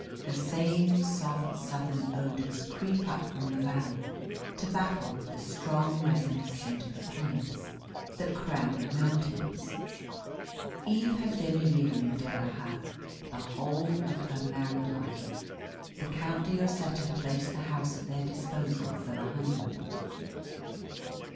The same soft Southern odours creep up from the valley to battle with the strong resinous scent of the pines that crown the mountains. Eve had been a year in D'Erraha the whole of her married life. The Count de Lloseta placed the house at their disposal for the honeymoon.